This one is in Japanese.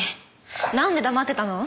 なんで黙ってたの？